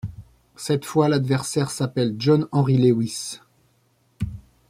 Cette fois, l'adversaire s'appelle John Henry Lewis.